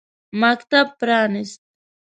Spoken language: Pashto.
مکتب پرانیست.